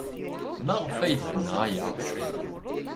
Maɣef ay d-tenna aya?